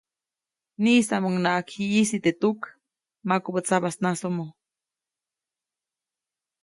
Niʼisamuŋnaʼak ji ʼyisi teʼ tuk makubä tsabasnasomo.